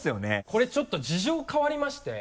これちょっと事情変わりまして。